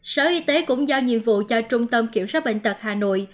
sở y tế cũng giao nhiệm vụ cho trung tâm kiểm soát bệnh tật hà nội